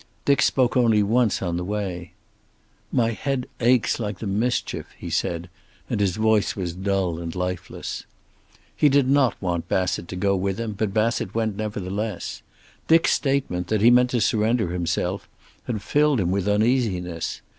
Dick spoke only once on the way. "My head aches like the mischief," he said, and his voice was dull and lifeless. He did not want Bassett to go with him, but Bassett went, nevertheless. Dick's statement, that he meant to surrender himself, had filled him with uneasiness.